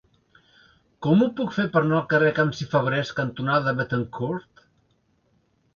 Com ho puc fer per anar al carrer Camps i Fabrés cantonada Béthencourt?